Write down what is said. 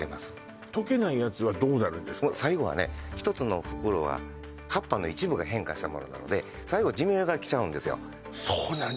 １つの袋は葉っぱの一部が変化したものなので最後寿命が来ちゃうんですよそうなんだ